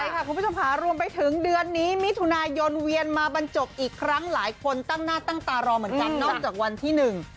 ใช่ค่ะคุณผู้ชมค่ะรวมไปถึงเดือนนี้มิถุนายนเวียนมาบรรจบอีกครั้งหลายคนตั้งหน้าตั้งตารอเหมือนกันนอกจากวันที่หนึ่ง